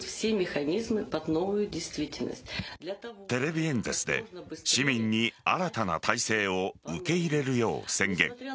テレビ演説で市民に新たな体制を受け入れるよう宣言。